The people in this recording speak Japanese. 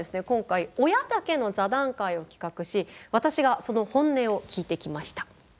今回親だけの座談会を企画し私がその本音を聞いてきました。